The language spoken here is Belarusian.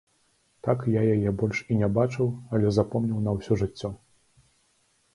Так я яе больш і не бачыў, але запомніў на ўсё жыццё.